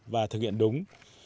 và thực hiện đúng